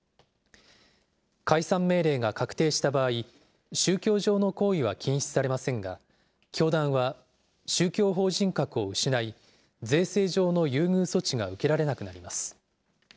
解散命令が確定した場合、宗教上の行為は禁止されませんが、教団は宗教法人格を失い、税制上の優遇措置が受けられなくなります。